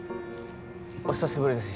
お久しぶりです